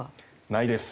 ないです。